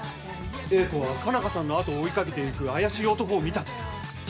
英子は佳奈花さんの後を追いかけていく怪しい男を見たと。